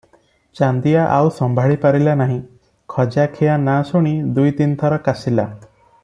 ଚାନ୍ଦିଆ ଆଉ ସମ୍ଭାଳିପାରିଲା ନାହିଁ, ଖଜାଖିଆ ନାଁ ଶୁଣି ଦୁଇ ତିନିଥର କାଶିଲା ।